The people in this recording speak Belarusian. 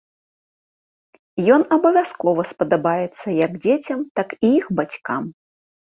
Ён абавязкова спадабаецца як дзецям, так і іх бацькам.